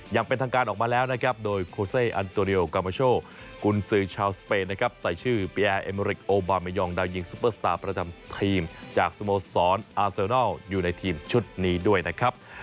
ยังเป็นทางการออกมาแล้วโดยโคเซอันตูริโอกามาโชคุณสือชาวสเปนใส่ชื่อเปียร์เอเมริกโอบามายองดาวหญิงซุปเปอร์สตาร์ประจำทีมจากสโมสรอาเซอร์นอลอยู่ในทีมชุดนี้ด้วยนะครับ